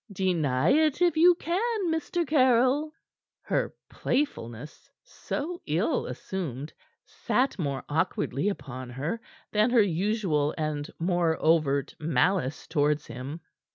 Deny it if you can, Mr. Caryll." Her playfulness, so ill assumed, sat more awkwardly upon her than her usual and more overt malice towards him.